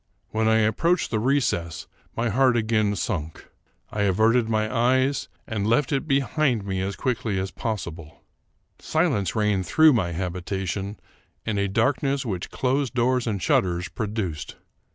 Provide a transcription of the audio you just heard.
When I approached the recess, my heart again sunk. I averted my eyes, and left it behind me as quickly as pos sible. Silence reigned through my habitation, and a dark ness which closed doors and shutters produced.